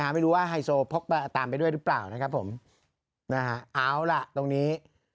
ไม่รู้ว่าไฮโซตามไปด้วยหรือเปล่าอาว๊าตรงนี้